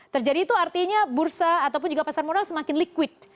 terjadi itu artinya bursa ataupun juga pasar modal semakin liquid